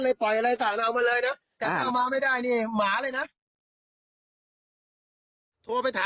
ไปอะไรเสร่านเอามาเลยนะ